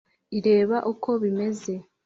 ireba uko bimeze